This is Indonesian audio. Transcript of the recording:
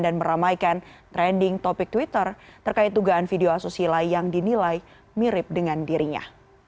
dan meramaikan trending topik twitter terkait tugaan video asosial yang dinilai mirip dengan dirinya